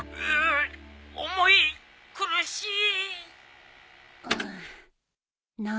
うぅ重い苦しい